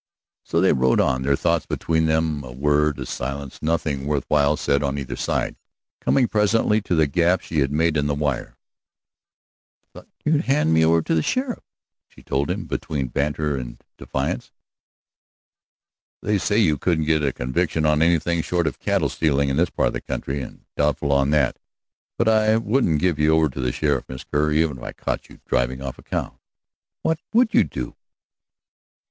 So they rode on, their thoughts between them, a word, a silence, nothing worth while said on either side, coming presently to the gap she had made in the wire. "I thought you'd hand me over to the sheriff," she told him, between banter and defiance. "They say you couldn't get a conviction on anything short of cattle stealing in this part of the country, and doubtful on that. But I wouldn't give you over to the sheriff, Miss Kerr, even if I caught you driving off a cow." "What would you do?"